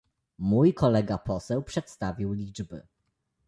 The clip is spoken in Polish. Mój kolega poseł przedstawił liczby